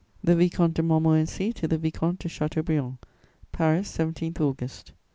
THE VICOMTE DE MONTMORENCY TO THE VICOMTE DE CHATEAUBRIAND "PARIS, 17 _August.